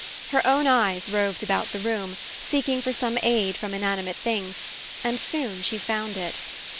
Her own eyes roved about the room, seeking for some aid from inanimate things, and soon she found it.